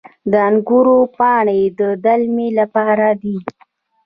د انګورو پاڼې د دلمې لپاره دي.